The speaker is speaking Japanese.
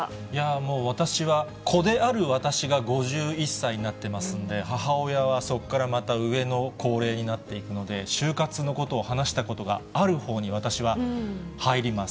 もう私は子である私が５１歳になってますんで、母親はそこからまた上の高齢になっているので、終活のことを話したことがあるほうに私は入ります。